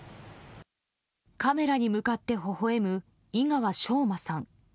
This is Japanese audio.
カメラに向かってほほ笑む井川翔馬さん。